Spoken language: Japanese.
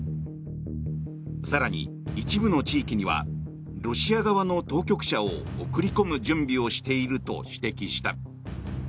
更に、一部の地域にはロシア側の当局者を送り込む準備をしていると指摘した。